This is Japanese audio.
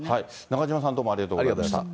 中島さん、どうもありがとうございました。